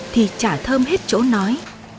thì trà thơm hết chỗ nói